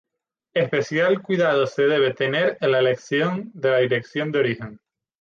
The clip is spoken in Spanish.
Especial cuidado se debe tener en la elección de la dirección de origen.